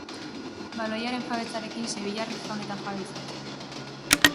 Baloiaren jabetzarekin, sevillarrek jaun eta jabe izan ziren.